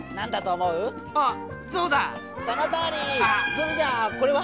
それじゃあこれは？